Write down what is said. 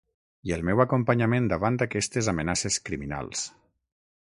I el meu acompanyament davant d'aquestes amenaces criminals.